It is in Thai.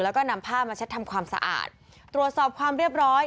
แล้วก็นำผ้ามาเช็ดทำความสะอาดตรวจสอบความเรียบร้อย